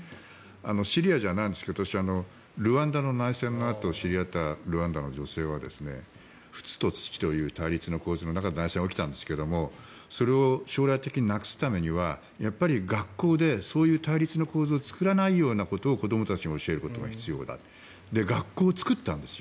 シリアじゃないんですがルワンダの内戦のあと知り合ったルワンダの女性は対立の中で内戦が起きたんですがそれを将来的になくすためにはやっぱり学校でそういう対立の構図を作らないことを子どもたちに教えることが必要だって学校を作ったんですよ。